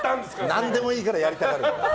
何でもいいからやりたがるの。